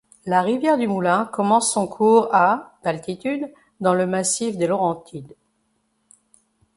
La rivière du Moulin commence son cours à d'altitude dans le massif des Laurentides.